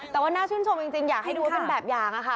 แต่ว่าน่าชื่นชมจริงอยากให้ดูว่าเป็นแบบอย่างค่ะ